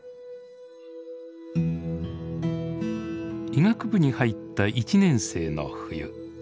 医学部に入った１年生の冬。